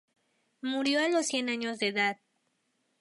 Murió a los cien años de edad.